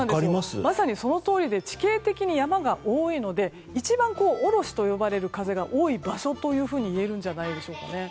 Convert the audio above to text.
まさに、そのとおりで地形的に山が多いので一番おろしと呼ばれる風が多い場所といえるんじゃないでしょうかね。